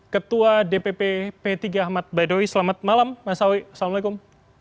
ketua dpp p tiga ahmad baidoy selamat malam mas sawi assalamualaikum